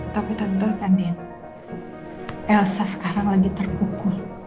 tapi tante andi elsa sekarang lagi terpukul